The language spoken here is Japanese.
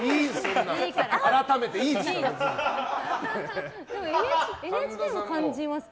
改めていいです。